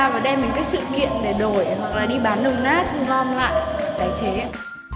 và đem đến các sự kiện để đổi hoặc là đi bán nồng nát thu văn loại tài chế ấy